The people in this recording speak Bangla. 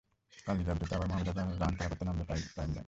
কাল রিজার্ভ ডেতে আবার মোহামেডানের রান তাড়া করতে নামবে প্রাইম ব্যাংক।